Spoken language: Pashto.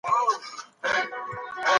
نوی نسل باید د پوهي په رڼا کي ولاړ سي.